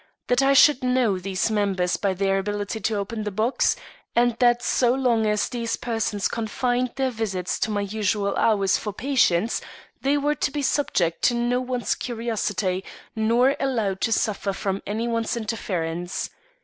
That I should know these members by their ability to open the box, and that so long as these persons confined their visits to my usual hours for patients, they were to be subject to no one's curiosity, nor allowed to suffer from any one's interference.